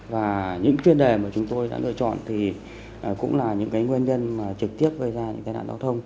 và những chuyên đề mà chúng tôi đã lựa chọn thì cũng là những cái nguyên nhân trực tiếp gây ra những cái nạn giao thông